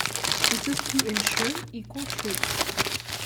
This is to ensure equal treatment.